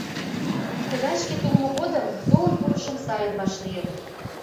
Тыгай шкет улмо годым толын пурышым сайын вашлийыт.